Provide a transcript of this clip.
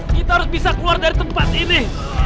kita harus bisa keluar dari tempat ini